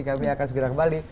kami akan segera kembali